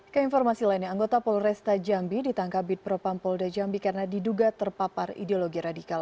keinformasi lainnya anggota polresta jambi ditangkap bit propam polda jambi karena diduga terpapar ideologi radikal